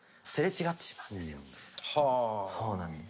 そうなんです。